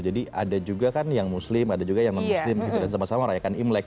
jadi ada juga kan yang muslim ada juga yang non muslim gitu dan sama sama rakyat imlek